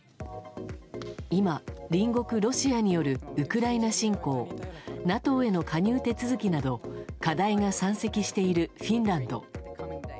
今、隣国ロシアによるウクライナ侵攻ＮＡＴＯへの加入手続きなど課題が山積しているフィンランド。